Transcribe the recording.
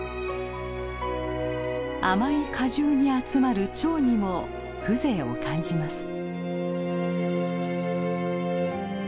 甘い果汁に集まるチョウにも風情を感じます。